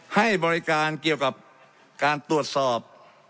ให้บริการเกี่ยวกับการตรวจสอบ